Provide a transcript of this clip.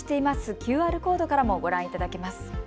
ＱＲコードからもご覧いただけます。